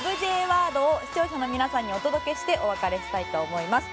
Ｊワードを視聴者の皆さんにお届けしてお別れしたいと思います。